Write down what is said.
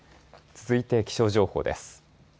続いて気象情報です。